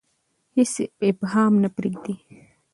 هیڅ ابهام نه پریږدي.